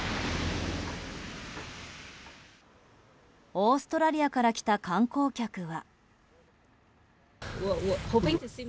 オーストラリアから来た観光客は。